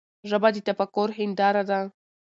ژبه د تفکر هنداره ده.